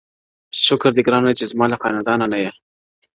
شکر دی گراني چي زما له خاندانه نه يې.